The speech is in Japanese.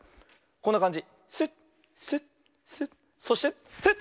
こんなかんじ。